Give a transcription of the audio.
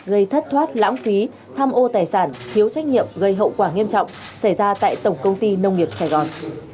gây thất thoát lãng phí tham ô tài sản thiếu trách nhiệm gây hậu quả nghiêm trọng xảy ra tại tổng công ty nông nghiệp sài gòn